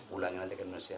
ulangin aja ke indonesia